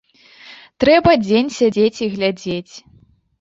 Трэба дзень сядзець і глядзець.